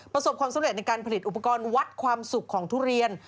ประสบความสำเร็จในการผลิตอุปกรณ์วัดความสุขของทุเรียน